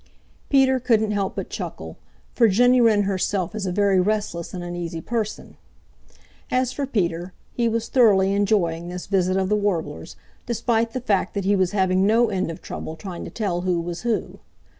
Peter couldn't help but chuckle, for Jenny Wren herself is a very restless and uneasy person. As for Peter, he was thoroughly enjoying this visit of the Warblers, despite the fact that he was having no end of trouble trying to tell who was who.